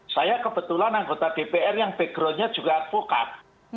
saya kebetulan anggota dpr yang backgroundnya juga advokat